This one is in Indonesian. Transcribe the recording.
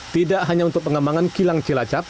tidak hanya untuk pengembangan kilang cilacap